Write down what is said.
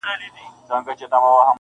• مُلا وویله خدای مي نګهبان دی -